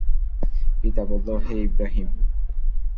পিতা বলল, হে ইবরাহীম!